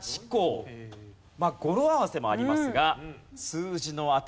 まあ語呂合わせもありますが。